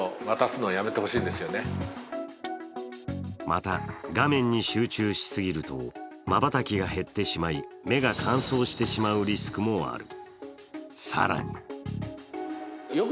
また、画面に集中しすぎると、まばたきが減ってしまい、目が乾燥してしまうリスクもある。